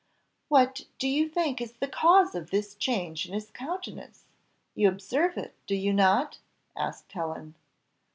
"What do you think is the cause of this change in his countenance you observe it, do you not?" asked Helen.